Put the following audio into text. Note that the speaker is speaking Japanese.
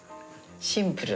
「シンプル」